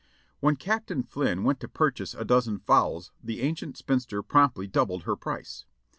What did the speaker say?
"When Captain Flynn went to purchase a dozen fowls the an cient spinster promptly doubled her price.